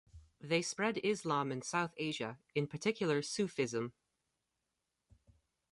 They spread Islam in South Asia, in particular Sufism.